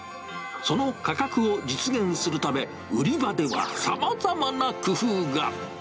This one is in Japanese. その価格を実現するため、売り場ではさまざまな工夫が。